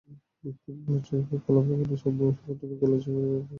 বিক্ষোভ শেষে কলাভবনের সামনে সংগঠনের কলেজ শাখার আহ্বায়ক ফখরুল ইসলামের সভাপতিত্বে সমাবেশ হয়।